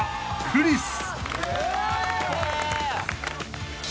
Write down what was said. クリス！